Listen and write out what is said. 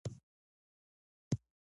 پېښور زموږ د کلتور مرکز و.